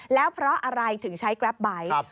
แล้วเพราะอะไรถึงใช้แกรปไบท์